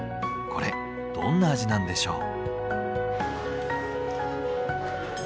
これどんな味なんでしょう？